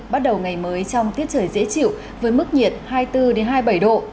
bắt đầu ngày mới trong tiết trời dễ chịu với mức nhiệt hai mươi bốn hai mươi bảy độ